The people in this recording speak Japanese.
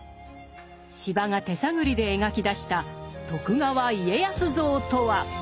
司馬が手探りで描き出した徳川家康像とは？